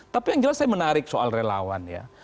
tapi yang jelas saya menarik soal relawan ya